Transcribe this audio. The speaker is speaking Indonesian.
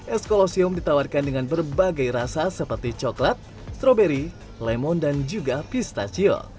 es kolosium ditawarkan dengan berbagai rasa seperti coklat stroberi lemon dan juga pistachio